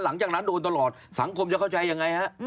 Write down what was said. หลังจากนั้นโดนตลอดสังคมจะเข้าใจยังไงฮะ